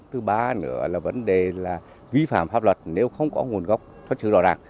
thứ ba nữa là vấn đề là vi phạm pháp luật nếu không có nguồn gốc xuất xứ rõ ràng